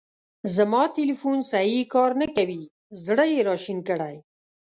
زما تیلیفون سیی کار نه کوی. زړه یې را شین کړی.